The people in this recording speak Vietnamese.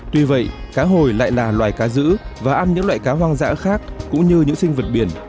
tuy vậy cá hồi lại là loài cá giữ và ăn những loại cá hoang dã khác cũng như những sinh vật biển